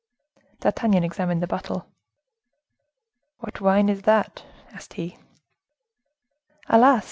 D'Artagnan examined the bottle. "What wine is that?" asked he. "Alas!